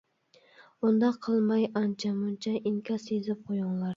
ئۇنداق قىلماي ئانچە-مۇنچە ئىنكاس يېزىپ قويۇڭلار.